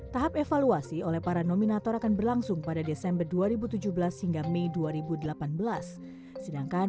tahap evaluasi oleh para nominator akan berlangsung pada desember dua ribu tujuh belas hingga mei dua ribu delapan belas sedangkan